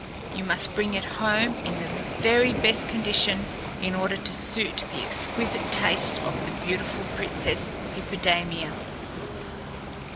You must bring it home in the very best condition in order to suit the exquisite taste of the beautiful Princess Hippodamia."